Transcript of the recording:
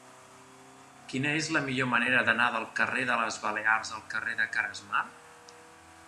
Quina és la millor manera d'anar del carrer de les Balears al carrer de Caresmar?